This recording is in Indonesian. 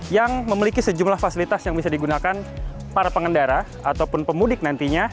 yang memiliki sejumlah fasilitas yang bisa digunakan para pengendara ataupun pemudik nantinya